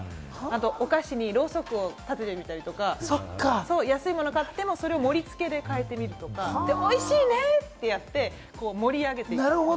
あとお菓子にロウソクを立ててみたりとか、安いもの買っても、それを盛り付けて変えてみるとか、おいしいねとやって盛り上げていくみたいな。